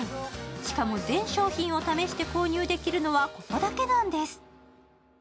しかも全商品を試して購入できるのは、ここだけなんです。